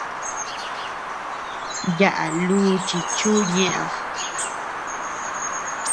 Yaʼa luchi chu ñeʼed.